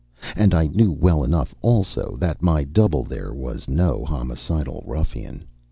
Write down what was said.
And I knew well enough also that my double there was no homicidal ruffian.